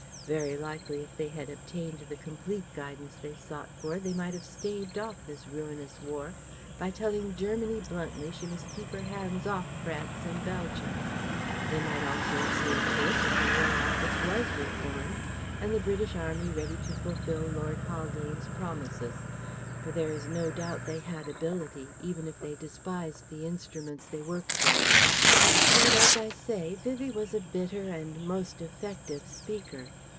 [Very likely if they had obtained the complete guidance they sought for they might have staved off this ruinous war by telling Germany bluntly she must keep her hands off France and Belgium; they might also have seen to it that the War Office was reformed and the British army ready to fulfil Lord Haldane's promises; for there is no doubt they had ability even if they despised the instruments they worked with.] But as I say, Vivie was a bitter and most effective speaker.